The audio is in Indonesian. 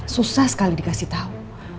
susah sekali dikasih tau